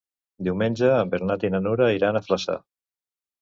Diumenge en Bernat i na Nura iran a Flaçà.